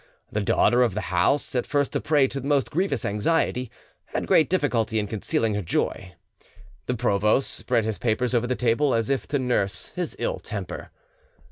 The daughter of the house, at first a prey to the most grievous anxiety, had great difficulty in concealing her joy. The provost spread his papers over the table, as if to nurse his ill temper.